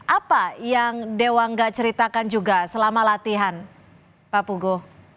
apa yang dewangga ceritakan juga selama latihan pak pugo